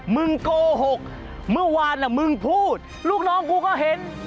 มึงโกหกเมื่อวานมึงพูดลูกน้องกูก็เห็น